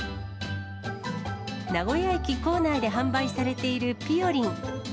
名古屋駅構内で販売されている、ぴよりん。